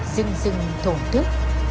dưng dưng thổn thức